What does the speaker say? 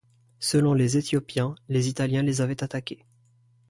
Selon les Éthiopiens, les Italiens les avaient attaqués.